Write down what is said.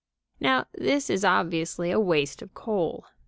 "] Now, this is obviously a waste of coal.